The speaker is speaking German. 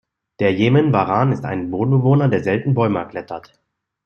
Der Jemen-Waran ist ein Bodenbewohner, der selten Bäume erklettert.